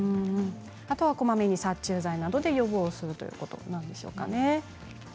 こまめに殺虫剤などで予防するということなんですかね。